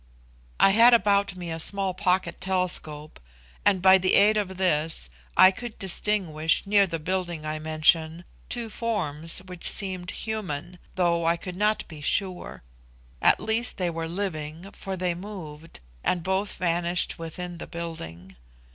I had about me a small pocket telescope, and by the aid of this, I could distinguish, near the building I mention, two forms which seemed human, though I could not be sure. At least they were living, for they moved, and both vanished within the building.